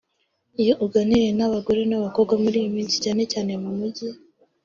Iyo uganiriye n’abagore n’abakobwa muri iyi minsi cyane cyane mu mijyi